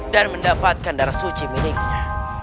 dan mendapatkan darah suci miliknya